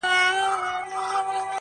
o هر چا ته خپل وطن کشمير دئ٫